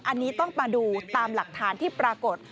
อันนี้ต้องมาดูตามหลักฐานที่ปรากฏ